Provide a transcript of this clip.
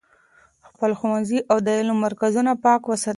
خپل ښوونځي او د علم مرکزونه پاک وساتئ.